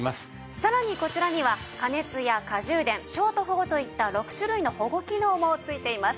さらにこちらには過熱や過充電ショート保護といった６種類の保護機能も付いています。